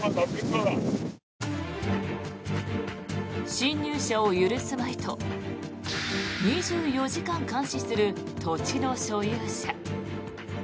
進入者を許すまいと２４時間監視する土地の所有者。